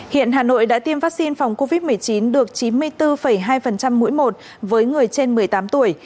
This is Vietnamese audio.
hiện hà nội đã tiêm vaccine phòng covid một mươi chín được chín mươi bốn hai mũi một với người trên một mươi tám tuổi